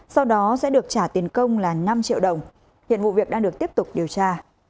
sau đó sẽ được trả tiền công là năm triệu đồng hiện vụ việc đang được tiếp tục điều tra